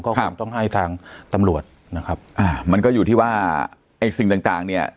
ก็คงต้องให้ทางตำรวจนะครับอ่ามันก็อยู่ที่ว่าไอ้สิ่งต่างต่างเนี่ย